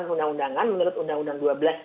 undang undangan menurut undang undang dua belas